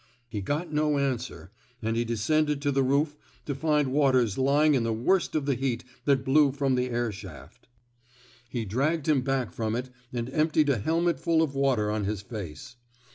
He got no answer, and he descended to the roof to find Waters lying in the worst of the heat that blew from the air shaft. He dragged him back from it and emptied a helmet full of water on his face.